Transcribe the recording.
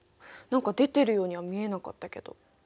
何か出てるようには見えなかったけど。